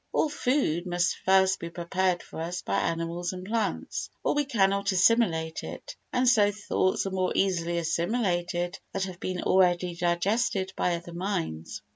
All food must first be prepared for us by animals and plants, or we cannot assimilate it; and so thoughts are more easily assimilated that have been already digested by other minds.